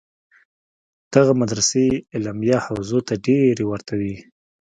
دغه مدرسې علمیه حوزو ته ډېرې ورته دي.